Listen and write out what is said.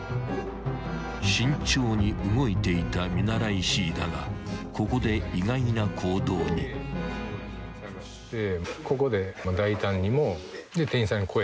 ［慎重に動いていた見習いＣだがここで意外な行動に］状況は。